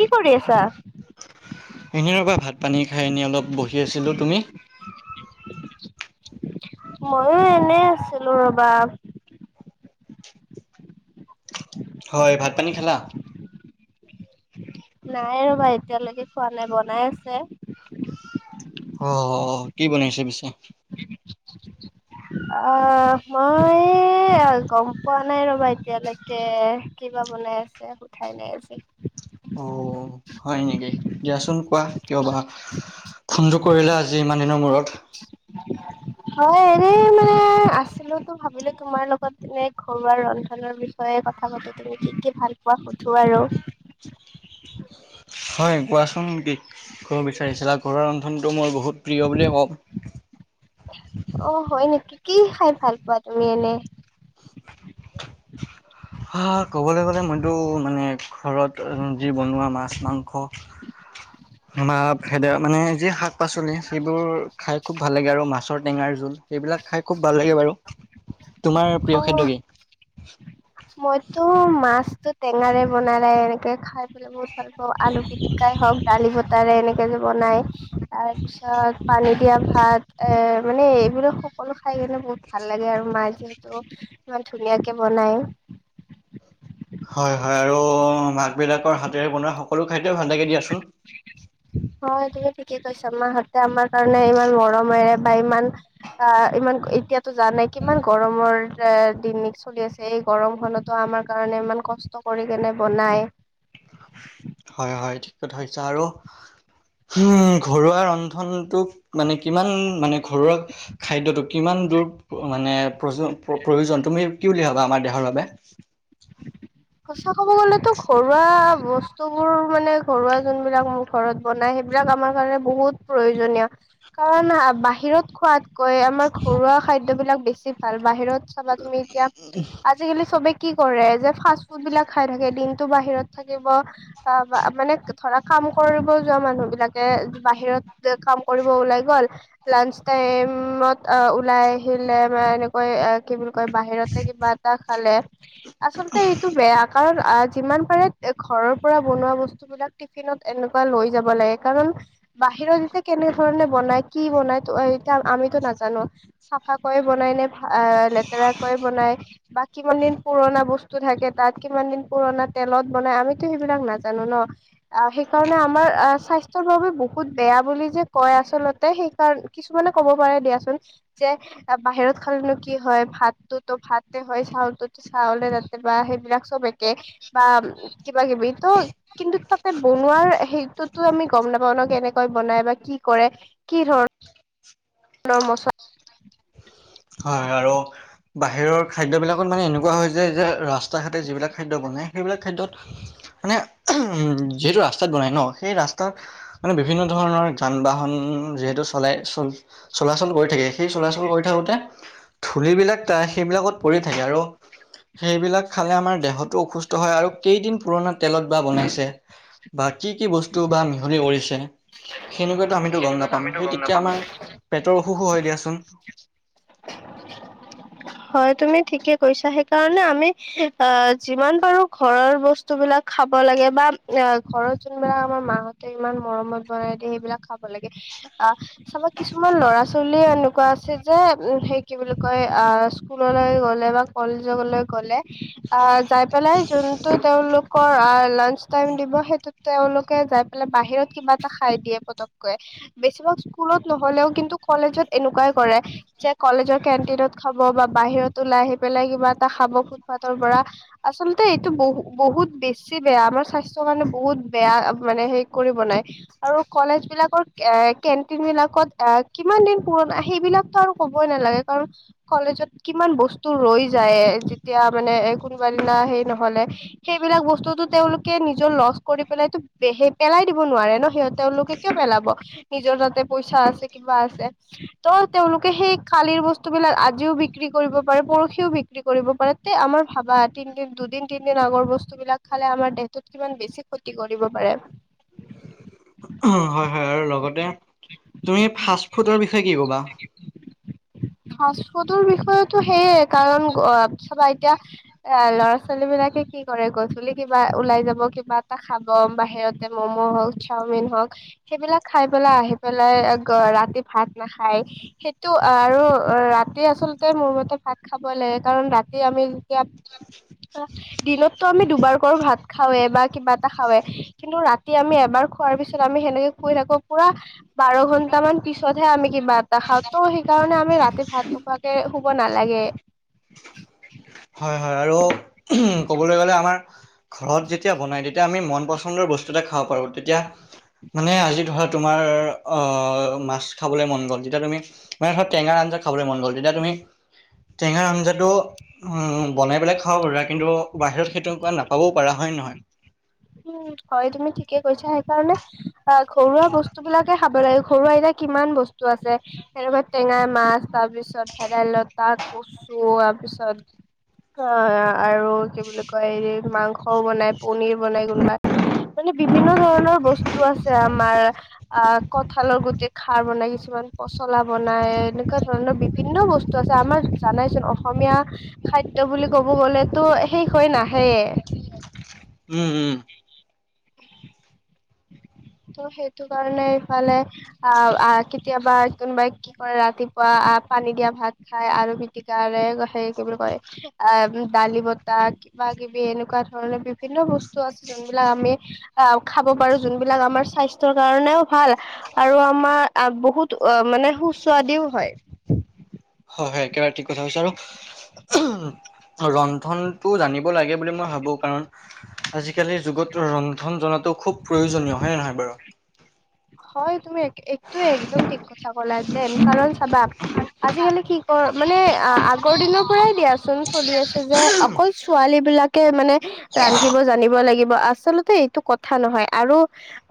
কি কৰি আছা? এদিনৰ পৰা ভাত পানী খাই এনে অলপ বহি আছিলো। তুমি? ময়ো এনে আছিলো ৰবা হয় ভাত পানী খালা? নাই ৰবা এতিয়ালৈকে খোৱা নাই বনাই আছে। অ কি বনাইছে পিছে অ মই গম পোৱা নাই ৰবা এতিয়ালৈকে কিবা বনাই আছে উঠাই নাই আছে অ হয় নেকি দিয়াচোন কোৱা কিয় বা ফোনটো কৰিলে আজি ইমান দিনৰ মূৰত [inaudible] হয় এনে মানে আছিলো তো ভাবিলো তোমাৰ লগত এনে ঘৰুৱা ৰন্ধনৰ বিষয়ে কথা পাতো তুমি কি কি ভাল পোৱা সুধো আৰু [unintelligible] হয় কোৱাচোন কি কব বিচাৰিছিলা ঘৰুৱা ৰন্ধনটো মোৰ বহুত প্ৰিয় বুলিয়ে কওঁ। অ' হয় নেকি। কি খাই ভাল পোৱা তুমি এনে? হা ক'বলৈ গ'লে মইতো মানে ঘৰত যি বনোৱা মাছ মাংস। ভেদ মানে যি শাক পাচলি সেইবোৰ খাই। খুব ভাল লাগে আৰু মাছৰ টেঙাৰ জোল সেইবিলাক খাই খুব ভাল লাগে বাৰু। তোমাৰ প্ৰিয় অ খাদ্য কি? মইতো মাছতটো টেঙাৰে বনালেই এনেকে খাই লে বহুত ভাল পাওঁ আলু পিটিকাই হওক দালি ব তাৰে এনেকে যে বনাই তাৰ পিছত পানী দিয়া ভাত এ মানে এইবিলাক। সকলো খাই কিনে বহুত ভাল লাগে আৰু মায়ে যিহেতু ইমান ধুনীয়াকে বনাই। হয়, হয়, আৰু মাক বিলাকৰ হাতেৰে বনোৱা সকলো খাদ্য হয় তুমি ঠিকে কৈছা। মাহতে আমাৰ কাৰণে ইমান মৰমেৰে বা ইমান অ' ইমান এতিয়া তো জানাই কিমান গৰমৰ এ দিন চলি আছে এই গৰম খনতো আমাৰ কাৰণে ইমান কষ্ট কৰি কেনে বনাই। [inaudible] হয় হয় ঠিক কথা হৈছে আৰু। উম ঘৰুৱা ৰন্ধনটোক মানে কিমান মানে ঘৰুৱা খাদ্যটো কিমান ৰ মানে প্ৰ প্ৰয়োজন তুমি কি বুলি ভাবা আমাৰ দেহৰ বাবে। কথা ক'ব গ'লেতো ঘৰুৱা বস্তুবোৰ মানে ঘৰুৱা যোনবিলাক মোৰ ঘৰত বনাই সেইবিলাক আমাৰ কাৰণে বহুত প্ৰয়োজনীয় কাৰণ বাহিৰ [unintelligible] কয় আমাৰ ঘৰুৱা খাদ্যবিলাক বেছি ভাল বাহিৰত চাবা তুমি এতিয়া আজিকালি চবে কি কৰে যে ফাষ্ট ফুড বিলাক খাই থাকে দিনটো বাহিৰত থাকিব বা মানে ধৰা কাম কৰিব যোৱা মানুহ বিলাকে বাহিৰত কাম কৰিব ওলাই গল লাঞ্চ টাইমত ওলাই আহিলে বা এনেকৈ কি বুলি কয় বাহিৰতে কিবা এটা খালে আচলতে বেয়া কাৰণ যিমান পাৰে ঘৰৰ পৰা বনোৱা বস্তুবিলাক টিফিনত এনেকুৱা লৈ যাব লাগে কাৰণ বাহিৰত এতিয়া কেনেধৰণে বনাই কি বনাই এতিয়া আমিতো নাজানো চাফা কয় বনাই নে লেতেৰা কয় বনাই বা কিমান দিন পুৰণা বস্তু থাকে। তাত কিমান দিন পুৰণা তেলত বনাই আমিতো সেইবিলাক নাজানো ন অ সেইকাৰণে আমাৰ স্বাস্থ্যৰ বাবে বহুত বেয়া বুলি যে কয় আচলতে সেই কাৰণে কিছুমানে ক'ব পাৰে দিয়াচোন যে বাহিৰত খালেনো কি হয় ভাত টোতো ভাতে হয় চাউলটোতো চাউলে তাতে বা সেই বিলাক চব একে বা কিবা কিবি ত কিন্তু তাতে বনোৱাৰ সেইটোতো আমি গম নাপাওঁ কেনেকৈ বনাই বা কি কৰে কি ধৰণৰ নৰ্মচ হয়, আৰু বাহিৰৰ খাদ্যবিলাকত মানে এনেকুৱা হৈ যায় যে ৰাস্তা ঘাটে যিবিলাক খাদ্য বনাই সেইবিলাক খাদ্যত- মানে উম যিহেতু ৰাস্তাত বনাই ন' সেই ৰাস্তাত মানে বিভিন্ন ধৰণৰ যান বাহন যিহেতু চলাই চল-চলাচল কৰি থাকে, সেই চলাচল কৰি থাকোঁতে ধূলি বিলাক ত সেইবিলাকত পৰি থাকে আৰু সেইবিলাক খালে আমাৰ দেহতো অসুস্থ হয় আৰু কেইদিন পুৰণা তেলত বা বনাইছে। বা কি কি বস্তু বা মিহলি কৰিছে। সেনেকুৱাতো আমিতো গম সেনেকুৱাতো নাপাম আমিতো সেই গম তেতিয়া নাপাম আমাৰ পেটৰ অসুখো হয় দিয়াচোন। [unintelligible] হয় তুমি ঠিকে কৈছা সেইকাৰণে আমি অ' যিমান পাৰো ঘৰৰ বস্তু বিলাক খাব লাগে বা অ' ঘৰত যোনবিলাক আমাৰ মাহঁতে ইমান মৰমত বনাই দিয়ে সেইবিলাক খাব লাগে আহ চাবা কিছুমান ল'ৰা ছোৱালী এনে কোৱা আছে যে সেই কি বুলি কয় আ' স্কুললৈ গ'লে বা কলেজলৈ গ'লে আ' যাই পেলাই যোনটো তেওঁলোকৰ লাঞ্চ টাইম দিব সেইটো তেওঁলোকে যাই পেলাই বাহিৰত কিবা এটা খাই দিয়ে পতককৈ, বেছিভাগ স্কুলত নহলেও কিন্তু কলেজত এনেকুৱাই কৰে, যে কলেজৰ কেণ্টিনত খাব বা বাহিৰত ওলাই আহি পেলাই কিবা এটা খাব ফুটপাথৰ পৰা আচলতে এইটো বহুত বহুত বহুত বেছি বেয়া আমাৰ স্বাস্থ্য কাৰানে বহুত বেয়া মানে সেই কৰি বনাই আৰু কলেজ বিলাকৰ কেন্টিন বিলাকত কি কিমান দিন পুৰণা সেইবিলাকতো আৰু ক'বই নালাগে কাৰণ কলেজত কিমান বস্তু ৰৈ যায় যেতিয়া মানে কোনোবাদিনা সেই নহ'লে সেইবিলাক বস্তুতু তেওঁলোকে নিজৰ লছ কৰি পেলাইতো সে পেলাই দিব নোৱাৰে ন' সিহঁতে তেওঁলোকে কিয় পেলাব, নিজৰ তাতে পইচা আছে কিবা আছে ত' তেওঁলোকে সেই কালিৰ বস্তু বিলাক আজিও বিক্ৰী কৰিব পাৰে পৰহিও বিক্ৰী কৰিব আমাৰ ভাবা দুদিন তিনিদিন আগৰ বস্তুবিলাক খালে আমাৰ দেহটোত কিমান বেছি ক্ষতি কৰিব পাৰে। হয় হয় আৰু লগতে তুমি ফাষ্ট ফুডৰ বিষয়ে কি ক'বা? ফাষ্ট ফুডৰ বিষয়টো সেইয়ে কাৰণ চাবা এতিয়া এ ল'ৰা ছোৱালী বিলাকে কি কৰে গধুলি কিবা ওলাই যাব কিবা এটা খাব বাহিৰতে ম'ম' হওক চাওমিন হক সেইবিলাক খাই পেলাই আহি পেলাই ৰাতি ভাত নাখায় সেইটো আৰু ৰাতি আচল আচলতে মোৰ মতে ভাগ খাবই লাগে কাৰণ ৰাতি আমি যেতিয়া অ' দিনততো আমি দুবাৰ কৰো ভাত খাওৱে বা কিবা এটা খাওৱে কিন্তু ৰাতি আমি এবাৰ খোৱাৰ পিছত আমি সেনেকে শুই থাকো। পুৰা বাৰ ঘন্টা মান পিছতহে আমি কিবা এটা খাওঁ ত' সেইকাৰণে আমি ৰাতি ভাত নোখোৱাকে শুব নালাগে। উ, ক'বলৈ গ'লে আমাৰ ঘৰত যেতিয়া বনাই তেতিয়া আমি মন পচন্দৰ বস্তু এটা খাব পাৰোঁ তেতিয়া মানে আজি ধৰা তোমাৰ অ' মাছ খাবলৈ মন গ'ল যেতিয়া তুমি মে ধৰা টেঙা আ জা খাবলৈ মন গ'ল তেতিয়া তুমি, টেঙাৰ আঞ্জাটো বনাই পেলাই খাও কিন্তু বাহিৰত সেইটো উকা নাপাবও পাৰা হয় নহয়। উম হয় তুমি ঠিকে কৈছা, সেইকাৰণে অ' ঘৰুৱা বস্তু বিলাকে খাব লাগে ঘৰুৱা এতিয়া কিমান বস্তু আছে তেনেকুৱা টেঙাই মাছ তাৰ পিছত ভেদাইলতা কছু তাৰপিছত আ আৰু কি বুলি কয় এই মাংসও বনাই পনিৰ বাই কোনোবা মানে বিভিন্ন ধৰণৰ বস্তু আছে আমাৰ আহ কঠালৰ গুটি খাৰ বনাই কিছুমান পচলা বনাই এনেকুৱা ধৰণৰ বিভিন্ন বস্তু আছে আমাৰ জানাইচোন অসমীয়া খাদ্য বুলি ক'ব গলেতো শেষ হৈ নাহেই। উম উম। ত' সেইটো কাৰণে ইফালে আহ কেতিয়াবা কোনোবাই কি কৰে ৰাতিপুৱা পানী দিয়া ভাত খাই আলু পিটিকাৰে সেই কি বুলি কয় এ দালি বতা বা কিবি এনেকুৱা ধৰণৰ বিভিন্ন বস্তু আছে যোনবিলাক আমি আহ খাব পাৰো যোনবিলাক আমাৰ স্বাস্থ্যৰ কাৰণেও ভাল আৰু আমাৰ বহুত মানে সুস্বাদুও হয়। হয় হয় একেবাৰে ঠিক কথা কৈছা আৰু ৰন্ধনতটো জানিব লাগে বুলি মই ভাবো কাৰণ আজিকালিৰ যুগত ৰন্ধন জনাটো খুব প্ৰয়োজনীয় হয়নে নহয় বাৰু? হয় তুমি একটোৱে একদম ঠিক কথা কলা দেন কাৰণ চাবা, আজিকালি কি ক মানে আ-আগৰ দিনৰ পৰাই দিয়াচোন চলি আছে যে অকল ছোৱালী বিলাকে মানে ৰান্ধিব জানিব লাগিব আচলতে এইটো কথা নহয় আৰু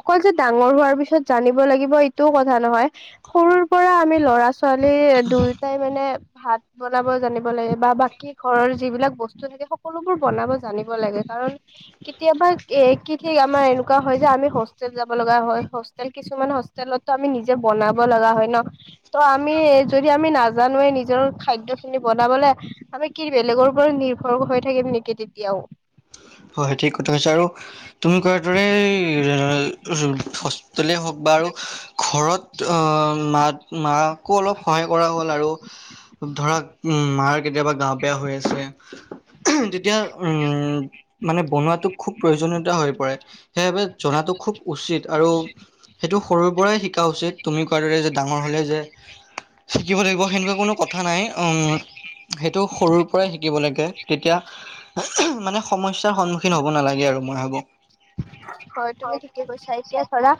অকল যে ডাঙৰ হোৱাৰ পিছত ত' জানিব লাগিব এইটোও কথা নহয়, সৰুৰ পৰা আমি ল'ৰা ছোৱালী দুয়োটাই মানে ভাত বনাব জানিব লাগে বা বাকি ঘৰৰ যিবিলাক বস্তু নিদিয়ে সকলোবোৰ বনাব জানিব লাগে। কাৰণ কেতিয়াবা এ কি ঠিক আমাৰ এনেকুৱা হয় যে আমি হোষ্টেল যাব লগা হয় হোষ্টেল কিছুমান হোষ্টেলতো আমি নিজে বনাব লগা হয় ন', ত আমি যদি আমি নাজানোয়ে নিজৰ খাদ্যখিনি বনাবলে আমি কি বেলেগৰ ওপৰত নিৰ্ভৰ হৈ থাকিম নেকি তেতিয়াও। হয় ঠিক কথা কৈছা, আৰু তুমি কোৱাৰ দৰে হস্পিটলেই হওঁক বা আৰু ঘৰত মাত মাকো অলপ সহায় কৰা হ'ল আৰু ধৰা উম মাৰ কেতিয়াবা গা বেয়া হৈ আছে তেতিয়া, উম মানে বনোৱাতো খুব প্ৰয়োজনীয়তা হৈ পৰে সেইবাবে জনাটো খুব উচিত আৰু সেইটো সৰুৰ পৰাই শিকা উচিত তুমি কোৱাৰ দৰে যে ডাঙৰ হ'লে যে শিকিব লাগিব সেনেকুৱা কোনো কথা নাই সেইটো সৰুৰ পৰাই শিকিব লাগে তেতিয়া মানে সমস্যাৰ সন্মুখীন হ'ব নালাগে আৰু মই ভাবো। [inaudible] হয় তুমি ঠিকে কৈছা এতিয়া ধৰা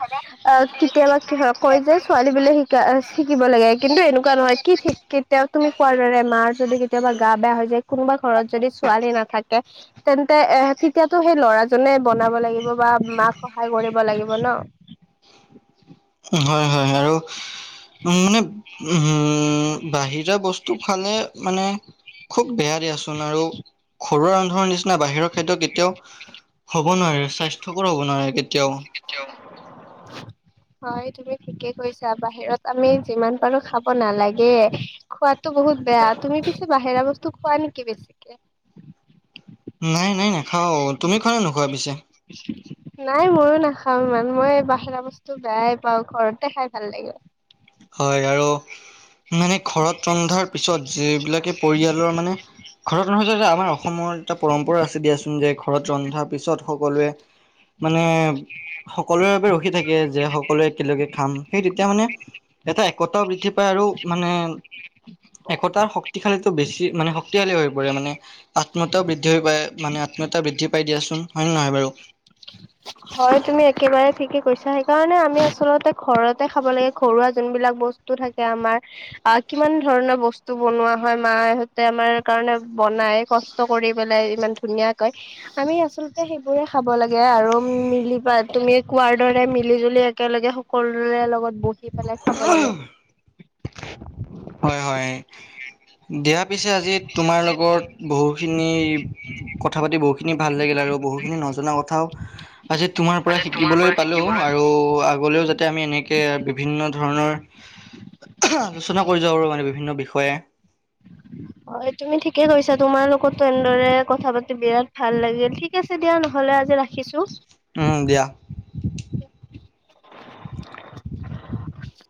অ', কেতিয়াবা কি হয় কয় যে ছোৱালী বিলাকে শিকা শিকিব লাগে কিন্তু এনেকুৱা নহয় কি ঠিক কেতিয়াও তুমি কোৱাৰ দৰে মাৰ যদি কেতিয়াবা গা বেয়া হৈ যায় কোনোবা ঘৰত যদি ছোৱালী নাথাকে তেন্তে এ তেতিয়াতো সেই ল'ৰাজনে বনাব লাগিব বা মাক সহায় কৰিব লাগিব ন'। হয় হয় আৰু উ মানে উম বাহিৰা বস্তু খালে মানে খুব বেয়া দিয়াচোন, আৰু ঘৰুৱা ৰান্ধনৰ নিচিনা বাহিৰৰ খাদ্য কেতিয়াও হ'ব নোৱাৰে স্বাস্থ্যকৰ হ'ব নোৱাৰে কেতিয়াও শ [unintelligible] হয় তুমি ঠিকে কৈছা, বাহিৰত আমি যিমান পাৰো খাব নালাগে, খোৱাতো বহুত বেয়া, তুমি পিছে বাহিৰা বস্তু খোৱা নেকি বেছিকে? নাই, নাই, নাখাওঁ তুমি খোৱা নে নোখোৱা পিছে? নাই ময়ো নাখাওঁ ইমান, মই বাহিৰা বস্তু বেয়াই পাওঁ, ঘৰতে খাই ভাল লাগে৷ হয়, আৰু মানে ঘৰত ৰন্ধাৰ পিছত যিবিলাকে পৰিয়ালৰ মানে ঘৰত ৰন্ধাটো যে আমাৰ অসমত এটা পৰম্পৰা আছে দিয়াচোন যে ঘৰত ৰন্ধাৰ পিছত সকলোৱে মানে, সকলোৰে বাবে ৰখি থাকে যে সকলোৱে একেলগে খাম, সেই তেতিয়া মানে এটা একতাও বৃদ্ধি পায় আৰু মানে একতাৰ শক্তিশালীটো বেছি মানে শক্তিশালী হৈ পৰে মানে, আত্মীয়তাও বৃদ্ধি হৈ পৰে মানে আত্মীয়তা বৃদ্ধি পাই দিয়াচোন, হয় নে নহয় বাৰু? হয়, তুমি একেবাৰে ঠিকে কৈছা৷সেইকাৰণে আমি আচলতে ঘৰতে খাব লাগে, ঘৰুৱা যোনবিলাক বস্তু থাকে আমাৰ আহ কিমান ধৰণৰ বস্তু বনোৱা হয়, মাহঁতে আমাৰ কাৰণে বনাই কষ্ট কৰি পেলাই ইমান ধুনীয়াকৈ, আমি আচলতে সেইবোৰে খাব লাগে আৰু উম্ মিলি পা তুমি কোৱাৰ দৰে মিলি জুলি একেলগে সকলোৰে লগত বহি পেলাই খাব লাগে৷ হয় হয় দিয়া পিছে আজি তোমাৰ লগত বহুখিনি কথা পাতি বহুতখিনি ভাল লাগিলে আৰু বহুখিনি নজনা কথাও আজি তোমাৰ পৰা আজি তোমাৰ শিকিবলৈ পৰা পালো শিকিবলৈ আৰু আগলৈও যাতে আমি এনেকে বিভিন্ন ধৰণৰ আলোচনা কৰি যাব পাৰোঁ আৰু মানে বিভিন্ন বিষয়ে [inaudible] হয় তুমি ঠিকে কৈছা, তোমাৰ লগতো এনেদৰে কথা পাতি বিৰাট ভাল লাগিল ঠিক আছে দিয়া নহ'লে আজি ৰাখিছো৷ উম, দিয়া৷ [inaudible]